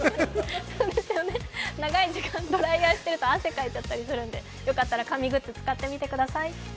長い時間ドライヤーしていると汗かいちゃったりするんで良かったら髪グッズ使ってみてください。